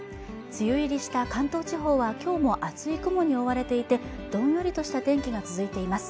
梅雨入りした関東地方はきょうも厚い雲に覆われていてどんよりとした天気が続いています